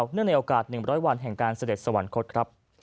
ในโอกาส๑๐๐วันแห่งการเสด็จสวรรคตครับ